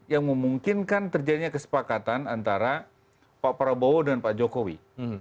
yang memungkinkan terjadinya kesepakatan antara pak prabowo dan pak jokowi